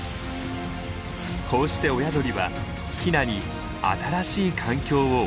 こうして親鳥はヒナに新しい環境を教えていきます。